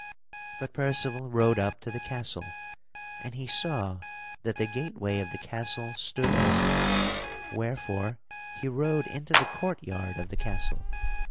But Percival rode up to the castle, and he saw that the gateway of the castle stood open, wherefore he rode into the courtyard of the castle.